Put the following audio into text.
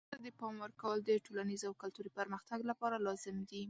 پښتو ته د پام ورکول د ټولنیز او کلتوري پرمختګ لپاره لازم دي.